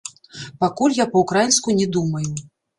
Пакуль я па-ўкраінску не думаю.